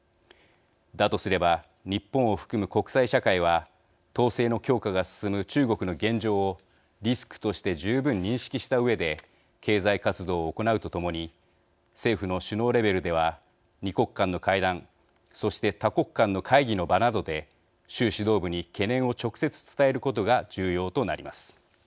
だとすれば日本を含む国際社会は統制の強化が進む中国の現状をリスクとして十分認識したうえで経済活動を行うとともに政府の首脳レベルでは２国間の会談そして、多国間の会議の場などで習指導部に懸念を直接伝えることが重要となります。